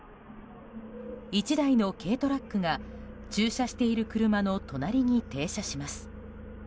１台の軽トラックが駐車している車の隣に停車します。